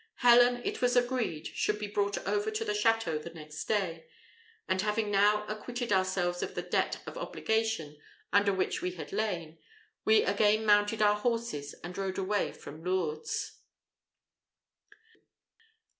Helen, it was agreed, should be brought over to the château the next day; and having now acquitted ourselves of the debt of obligation under which we had lain, we again mounted our horses and rode away from Lourdes.